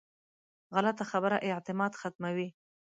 غلطه خبره اعتماد ختموي